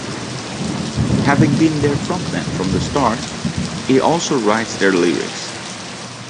Having been their frontman from the start, he also writes their lyrics.